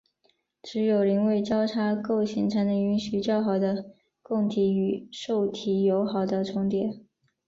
只有邻位交叉构型才能允许较好的供体与受体有好的重叠。